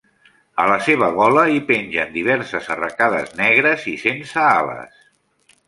A la seva gola hi pengen diverses arracades negres i sense ales.